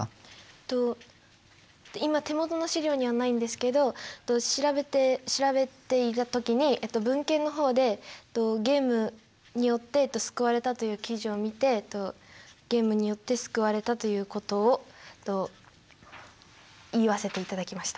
今手元の資料にはないんですけど調べて調べていた時に文献の方でゲームによって救われたという記事を見てゲームによって救われたということを言わせていただきました。